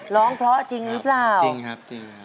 ร้องเพราะจริงหรือเปล่าจริงครับจริง